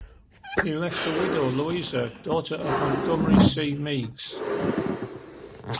He left a widow, Louisa, daughter of Montgomery C. Meigs.